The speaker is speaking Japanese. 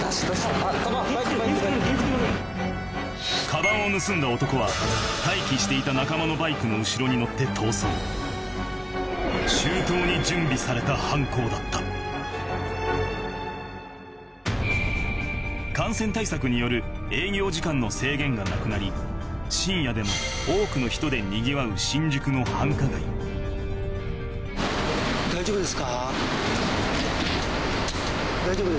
カバンを盗んだ男は待機していた仲間のバイクの後ろに乗って逃走された犯行だった感染対策による営業時間の制限がなくなり深夜でも多くの人でにぎわう新宿の繁華街大丈夫ですか？